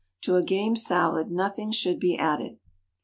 To a game salad nothing should be added.